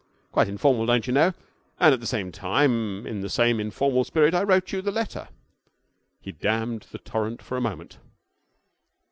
Quite informal, don't you know, and at the same time, in the same informal spirit, I wrote you the letter.' He dammed the torrent for a moment.